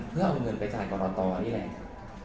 เพื่อเอาเงินไปจ่ายกรกตนี่แหละ